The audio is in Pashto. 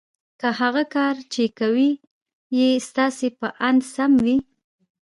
که هغه کار چې کوئ یې ستاسې په اند سم وي